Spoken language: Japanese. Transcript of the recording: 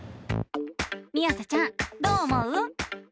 みあさちゃんどう思う？